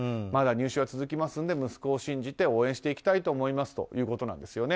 まだ入試は続きますので息子を信じて応援していきたいということです。